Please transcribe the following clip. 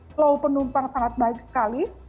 flow penumpang sangat baik sekali